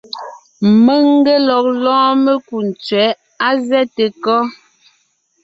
Mèŋ n ge lɔg lɔ́ɔn mekú tsẅɛ̌ʼ. Á zɛ́te kɔ́?